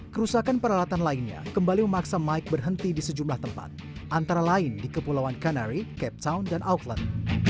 kerusakan peralatan lainnya kembali memaksa mike berhenti di sejumlah tempat antara lain di kepulauan kanari cape sound dan auflet